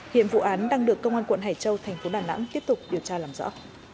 hiện vụ án đang được công an quận hải châu thành phố đà nẵng tiếp tục điều tra làm rõ